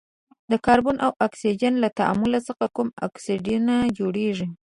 د کاربن او اکسیجن له تعامل څخه کوم اکسایدونه جوړیږي؟